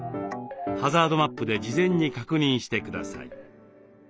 ハザードマップで事前に確認して下さい。